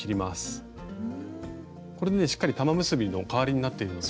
これでねしっかり玉結びの代わりになっているので。